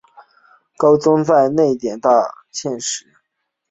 高宗在内殿大宴蒙使。